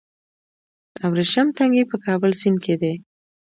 د ابریشم تنګی په کابل سیند کې دی